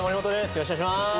よろしくお願いします！